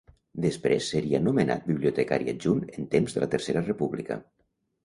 Després seria nomenat bibliotecari adjunt en temps de la Tercera República.